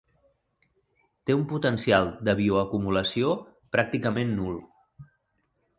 Té un potencial de bioacumulació pràcticament nul.